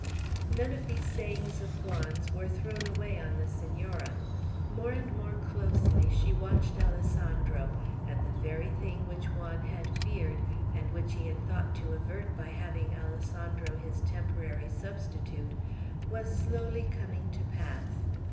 None of these sayings of Juan's were thrown away on the Senora. More and more closely she watched Alessandro; and the very thing which Juan had feared, and which he had thought to avert by having Alessandro his temporary substitute, was slowly coming to pass.